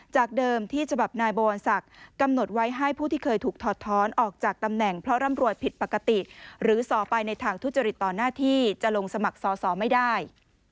จากเดิมที่ฉบับนายบวรศักดิ์กำหนดไว้ให้ผู้ที่เคยถูกถอดท้อนออกจากตำแหน่งเพราะร่ำรวยผิดปกติหรือสอไปในทางทุจริตต่อหน้าที่จะลงสมัครสอสอไม่ได้